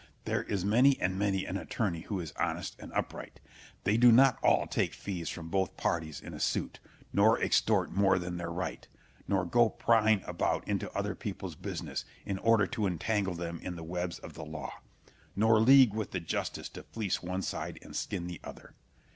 There is many and many an attorney who is honest and upright. They do not all take fees from both parties in a suit; nor extort more than their right; nor go prying about into other people's business in order to entangle them in the webs of the law; nor league with the justice to fleece one side and skin the other.